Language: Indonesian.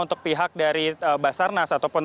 untuk pihak dari basarnas ataupun